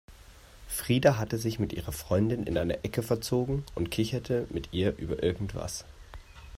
Frida hatte sich mit ihrer Freundin in eine Ecke verzogen und kicherte mit ihr über irgendwas.